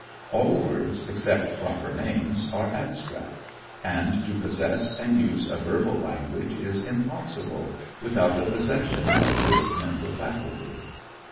All words, except proper names, are abstract; and to possess and use a verbal language is impossible, without the possession of this mental faculty.